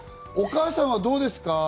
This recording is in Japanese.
お母さんはどうですか？